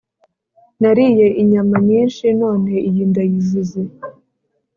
nariye inyama nyinshi none iyi ndayizize